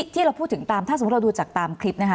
ที่เราพูดถึงตามถ้าสมมุติเราดูจากตามคลิปนะคะ